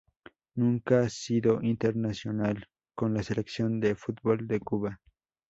Nunca sido internacional con la Selección de fútbol de Cuba